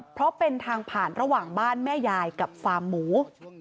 เพราะเป็นทางผ่านระหว่างบ้านแม่ยายกับฟาร์มหมู